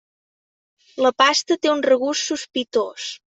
La pasta té un regust sospitós.